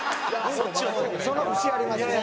その節ありますね。